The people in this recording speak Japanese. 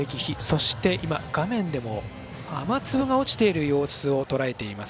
そして、今画面でも雨粒が落ちている様子をとらえています。